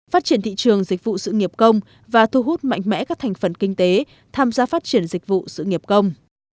phát triển thị trường dịch vụ sự nghiệp công và thu hút mạnh mẽ các thành phần kinh tế tham gia phát triển dịch vụ sự nghiệp công